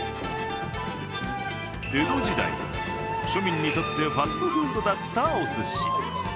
江戸時代、庶民にとってファストフードだったお寿司。